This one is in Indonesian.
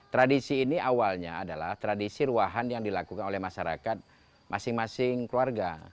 tradisi ini awalnya adalah tradisi ruahan yang dilakukan oleh masyarakat masing masing keluarga